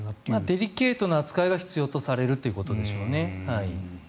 デリケートな扱いが必要とされるということでしょうね。